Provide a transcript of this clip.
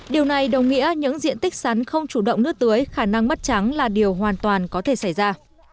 điều này đồng nghĩa những diện tích sắn không chủ động nước tưới khả năng mất trắng là điều hoàn toàn có thể xảy ra